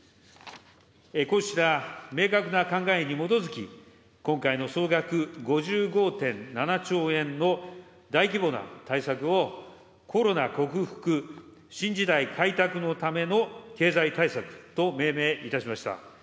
こうした明確な考えに基づき、今回の総額５５．７兆円の大規模な対策を、コロナ克服・新時代開拓のための経済対策と命名いたしました。